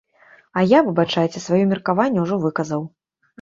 А я, выбачайце, сваё меркаванне ўжо выказаў.